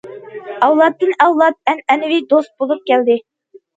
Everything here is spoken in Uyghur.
ئەۋلادتىن ئەۋلاد ئەنئەنىۋى دوست بولۇپ كەلدى.